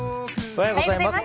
おはようございます。